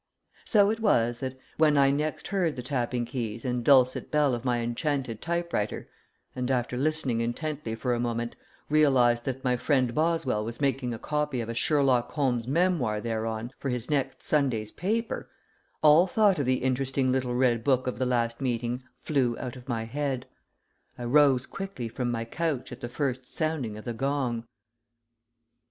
So it was that, when I next heard the tapping keys and dulcet bell of my Enchanted Type writer, and, after listening intently for a moment, realized that my friend Boswell was making a copy of a Sherlock Holmes Memoir thereon for his next Sunday's paper, all thought of the interesting little red book of the last meeting flew out of my head. I rose quickly from my couch at the first sounding of the gong.